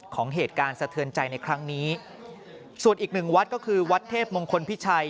ของเหตุการณ์สะเทือนใจในครั้งนี้ส่วนอีกหนึ่งวัดก็คือวัดเทพมงคลพิชัย